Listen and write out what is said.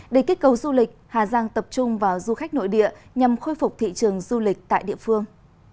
để kích cầu du lịch hà giang tập trung vào du khách nội địa nhằm khôi phục thị trường du lịch tại địa phương